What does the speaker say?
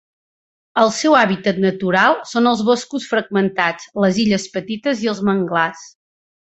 El seu hàbitat natural són els boscos fragmentats, les illes petites i els manglars.